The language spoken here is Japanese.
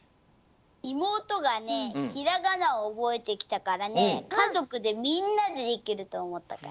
いもうとがねひらがなをおぼえてきたからねかぞくでみんなでできるとおもったから。